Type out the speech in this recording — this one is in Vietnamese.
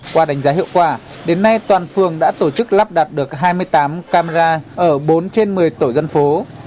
qua đánh giá hiệu quả đến nay toàn phường đã tổ chức lắp đặt được hai mươi tám camera ở bốn trên một mươi tổ dân phố